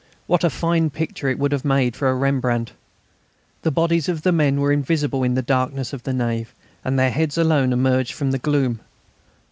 What a fine picture it would have made for a Rembrandt! The bodies of the men were invisible in the darkness of the nave, and their heads alone emerged from the gloom.